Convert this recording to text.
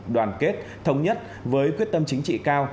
đoàn kết thống nhất với quyết tâm chính trị cao